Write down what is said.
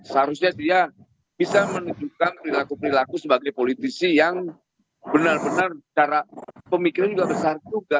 seharusnya dia bisa menunjukkan perilaku perilaku sebagai politisi yang benar benar cara pemikiran juga besar juga